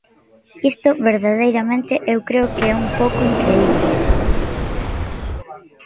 Isto verdadeiramente eu creo que é un pouco incrible.